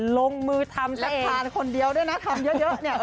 ลงมือทำสะพานคนเดียวด้วยนะทำเยอะเนี่ย